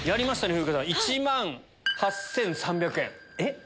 風花さん１万８３００円。